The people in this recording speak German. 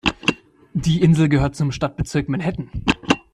Die Insel gehört zum Stadtbezirk Manhattan.